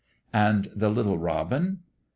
" And the little robin ?